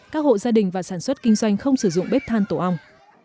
các hộ gia đình và sản xuất kinh doanh không sử dụng bếp than tổ ong